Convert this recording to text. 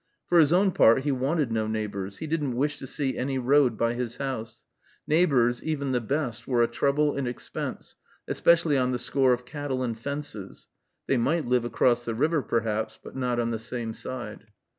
For his own part, he wanted no neighbors, he didn't wish to see any road by his house. Neighbors, even the best, were a trouble and expense, especially on the score of cattle and fences. They might live across the river, perhaps, but not on the same side.